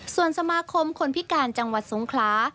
ส่วนสมาคมคนพิการจังหวัดสงขลา